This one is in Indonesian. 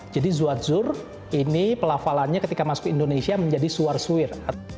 jadi zwadzur ini pelafalannya ketika masuk ke indonesia menjadi suwar suwir